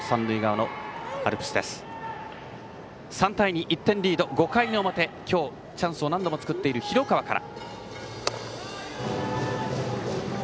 ３対２と旭川大高１点リード、５回表今日チャンスを何度も作っている廣川から。